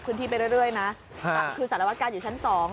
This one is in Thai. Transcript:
ขึ้นที่ไปเรื่อยเรื่อยนะค่ะคือสารวัตการอยู่ชั้นสอง